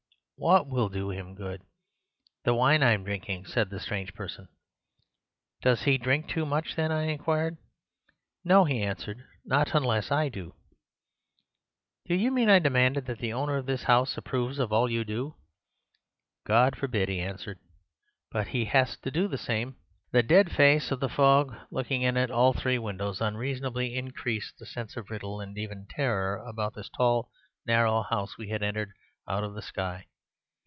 "'What will do him good?' "'The wine I'm drinking,' said the strange person. "'Does he drink too much, then?' I inquired. "'No,' he answered, 'not unless I do.' "'Do you mean,' I demanded, 'that the owner of this house approves of all you do?' "'God forbid,' he answered; 'but he has to do the same.' "The dead face of the fog looking in at all three windows unreasonably increased a sense of riddle, and even terror, about this tall, narrow house we had entered out of the sky.